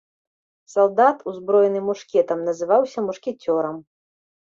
Салдат, узброены мушкетам, называўся мушкецёрам.